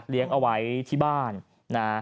เลี้ยงเอาไว้ที่บ้าน